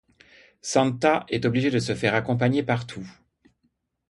Santa est obligée de se faire accompagner partout.